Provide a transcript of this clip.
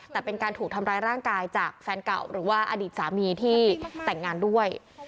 แต่เป็นการถูกทำร้ายร่างกายจากแฟนเก่าหรือว่าอดีตสามีที่แต่งงานด้วย